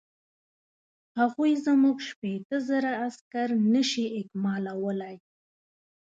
هغوی زموږ شپېته زره عسکر نه شي اکمالولای.